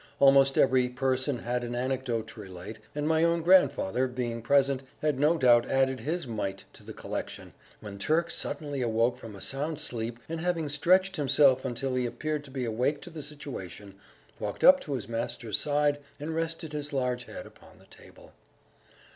Almost every person had an anecdote to relate, and my own grandfather being present, had no doubt added his mite to the collection, when Turk suddenly awoke from a sound sleep, and having stretched himself until he appeared to be awake to the situation, walked up to his master's side, and rested his large head upon the table.